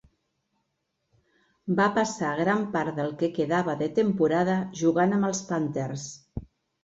Va passa gran part del que quedava de temporada jugant amb els Panthers.